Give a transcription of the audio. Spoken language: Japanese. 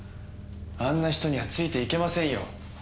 あんな人にはついて行けませんよ。